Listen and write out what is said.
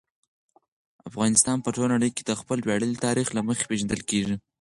افغانستان په ټوله نړۍ کې د خپل ویاړلي تاریخ له مخې پېژندل کېږي.